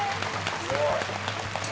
すごい。